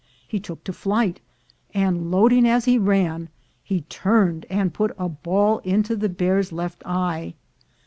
He took to flight, and, load ing as he ran, he turned and put a ball into the bear's left eye.